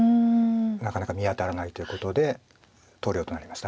なかなか見当たらないということで投了となりました。